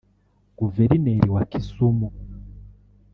Guverineri wa Kisumu